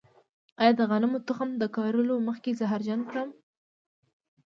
آیا د غنمو تخم له کرلو مخکې زهرجن کړم؟